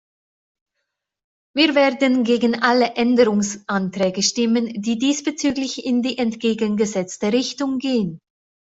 Wir werden gegen alle Änderungsanträge stimmen, die diesbezüglich in die entgegengesetzte Richtung gehen.